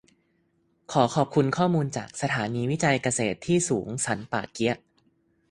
ขอบคุณข้อมูลจาก สถานีวิจัยเกษตรที่สูงสันป่าเกี๊ยะ